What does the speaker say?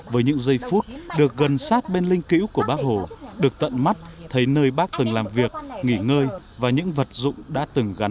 với những giây phút được gần sát bên linh cữu của bác hồ được tận mắt thấy nơi bác từng làm việc nghỉ ngơi và những vật dụng đã từng gắn